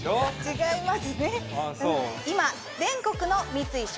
違いますね。